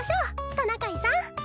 トナカイさん。